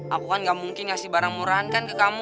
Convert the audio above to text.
aku kan gak mungkin ngasih barang murahan kan ke kamu